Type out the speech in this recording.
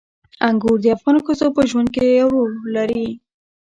انګور د افغان ښځو په ژوند کې یو رول لري.